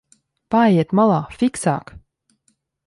Paejiet malā, fiksāk!